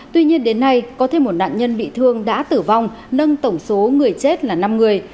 tuy nhiên đến nay có thêm một nạn nhân bị thương đã tử vong nâng tổng số người chết là năm người